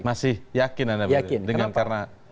masih yakin anda